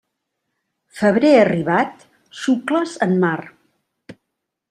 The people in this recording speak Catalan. Febrer arribat, xucles en mar.